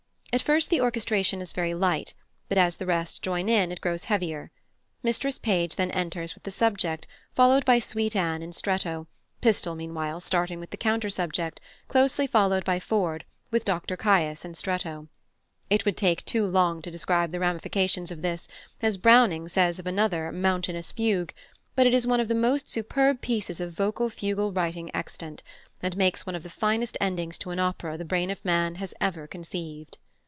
At first the orchestration is very light, but as the rest join in it grows heavier. Mistress Page then enters with the subject, followed by Sweet Anne in stretto, Pistol meanwhile starting with the counter subject, closely followed by Ford, with Dr Caius in stretto. It would take too long to describe the ramifications of this, as Browning says of another, "mountainous fugue," but it is one of the most superb pieces of vocal fugal writing extant, and makes one of the finest endings to an opera the brain of man has ever conceived.